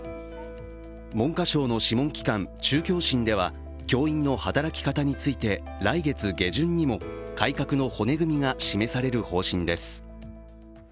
文科省の諮問機関、中教審では教員の働き方について来月下旬にも改革の骨組みが示される方針です。